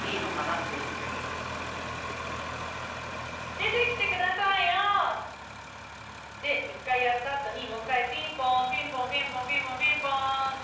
「出てきてくださいよ」で一回やったあとにもう一回「ピンポンピンポンピンポンピンポンピンポン」って。